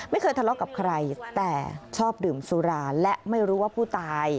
ไม่เคยทะเลาะกับใครแต่ชอบดื่มสุราและไม่รู้ว่าผู้ตาย